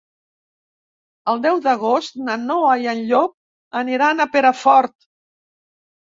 El deu d'agost na Noa i en Llop aniran a Perafort.